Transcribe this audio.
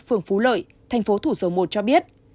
phường phú lợi thành phố thủ dầu một cho biết